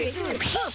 はっ！